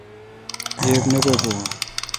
گیب نہ بہ بو اؘ۔